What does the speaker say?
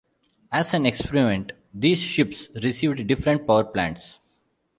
As an experiment, these ships received different powerplants.